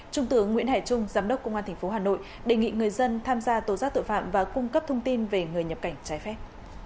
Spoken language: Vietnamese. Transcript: trung tướng nguyễn hải trung giám đốc công an tp hà nội đề nghị người dân tham gia tố giác tội phạm và cung cấp thông tin về người nhập cảnh trái phép